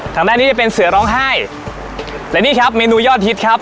ทางด้านนี้จะเป็นเสือร้องไห้และนี่ครับเมนูยอดฮิตครับ